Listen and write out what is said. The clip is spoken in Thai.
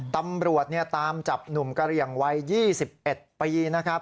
ตำรวจตามจับหนุ่มกะเหลี่ยงวัย๒๑ปีนะครับ